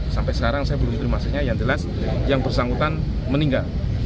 sampai sekarang saya belum terima hasilnya yang jelas yang bersangkutan meninggal